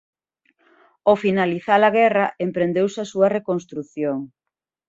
Ao finalizar a guerra emprendeuse a súa reconstrución.